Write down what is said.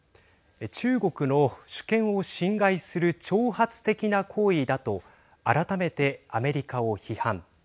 中国の主権を侵害する挑発的な行為だと改めてアメリカを批判。